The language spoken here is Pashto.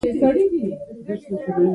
نوروز د پښتنو لرغونی جشن دی